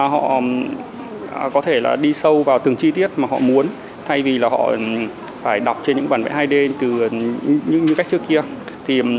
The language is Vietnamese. họ có thể đi sâu vào từng chi tiết mà họ muốn thay vì là họ phải đọc trên những bản vẽ hai d từ như cách trước kia